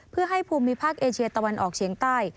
เพื่อให้ภูมิภาคเอเชียตะวันออกเฉียงใต้